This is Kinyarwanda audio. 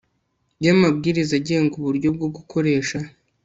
y amabwiriza agenga uburyo bwo gukoresha